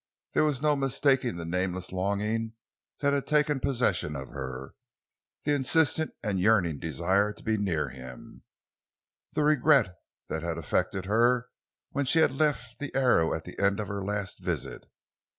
There was no mistaking the nameless longing that had taken possession of her; the insistent and yearning desire to be near him; the regret that had affected her when she had left the Arrow at the end of her last visit.